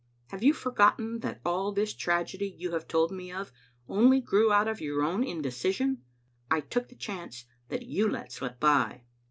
Have you forgotten that all this tragedy you have told me of only grew out of your own indecision? I took the chance that you let slip by."